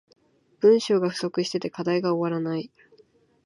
文章が不足してて課題が終わらない